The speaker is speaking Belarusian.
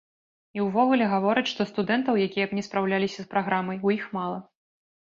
І ўвогуле гавораць, што студэнтаў, якія б не спраўляліся з праграмай, у іх мала.